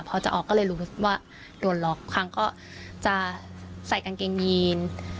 พอจะออกก็เลยรู้สึกว่าโดนล็อกครั้งก็จะใส่กางเกงยีน